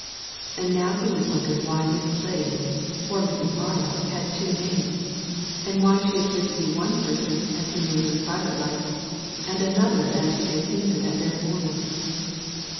And now he was wondering why Miss Slade or Mrs. Marlow had two names, and why she appeared to be one person as he knew her in private life, and another as he had seen her that very morning.